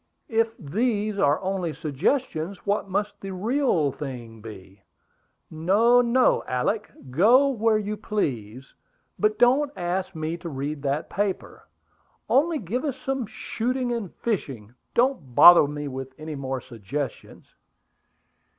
If these are only suggestions, what must the real thing be! No, no, Alick! Go where you please; but don't ask me to read that paper. Only give us some shooting and fishing. Don't bother me with any more suggestions."